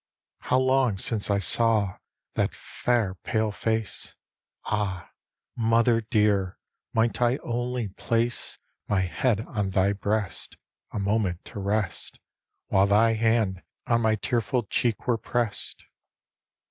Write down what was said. How long since I saw that fair pate facet Ahl Mother dear! might I only place My head on thy breast, a moment to rest. While thy hand on my tearful cheek were press'd